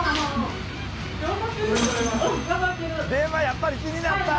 やっぱり気になった。